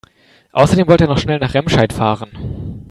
Außerdem wollte er noch schnell nach Remscheid fahren